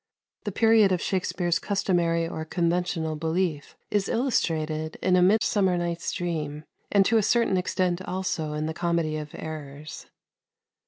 The period of Shakspere's customary or conventional belief is illustrated in "A Midsummer Night's Dream," and to a certain extent also in the "Comedy of Errors."